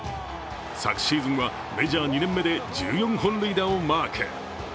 昨シーズンはメジャー２年目で１４本塁打をマーク。